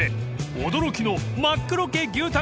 ［驚きの真っ黒け牛タン